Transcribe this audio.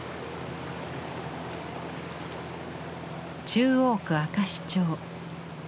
中央区明石町。